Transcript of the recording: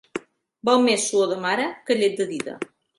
Val més suor de mare que llet de dida.